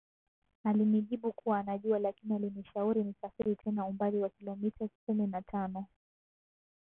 alinijibu kuwa anajua lakini alinishauri nisafiri tena umbali wa kilometa kumi na tano